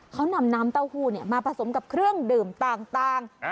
เขานำน้ำเต้าหู้มาผสมกับเครื่องดื่มต่าง